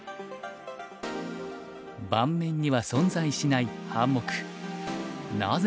盤面には存在しない半目。